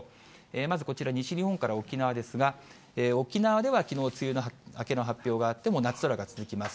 まずこちら、西日本から沖縄ですが、沖縄ではきのう、梅雨明けの発表があって、夏空が続きます。